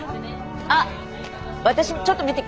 あっ私ちょっと見てきます。